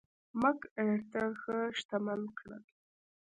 مک ارتر ښه شتمن کړل.